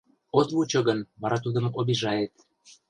От вучо гын, вара тудым обижает.